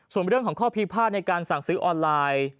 ส่วนเรื่องของข้อพิพาทในการสั่งซื้อออนไลน์